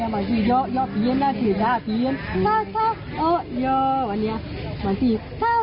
มันอย่างนี้